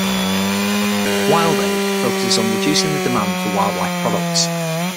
WildAid focuses on reducing the demand for wildlife products.